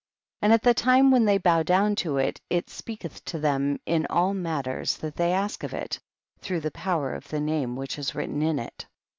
42. And at the time when they bow down to it, it speaketh to them in all matters that they ask of it, through the power of the name which is written in it.